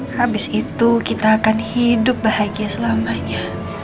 habis itu kita akan hidup bahagia selamanya